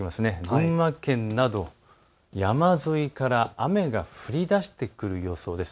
群馬県など山沿いから雨が降りだしてくる予想です。